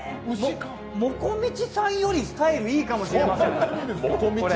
もこみちさんよりスタイルいいかもしれません。